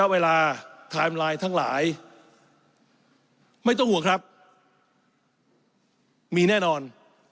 เวลาไทม์ไลน์ทั้งหลายไม่ต้องห่วงครับมีแน่นอน